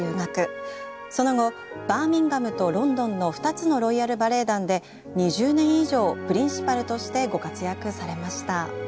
その後バーミンガムとロンドンの２つのロイヤル・バレエ団で２０年以上プリンシパルとしてご活躍されました。